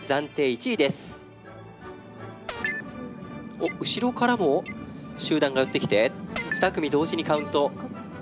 おっ後ろからも集団がやって来て２組同時にカウント。